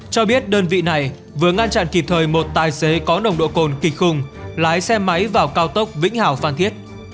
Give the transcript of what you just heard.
cho biết đơn vị này vừa ngăn chặn kịp thời một tài xế có nồng độ cồn kịch khung lái xe máy vào cao tốc vĩnh hảo phan thiết